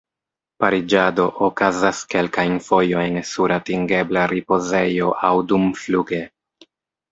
Pariĝado okazas kelkajn fojojn sur atingebla ripozejo aŭ dumfluge.